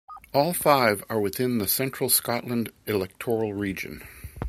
All five are within the Central Scotland electoral region.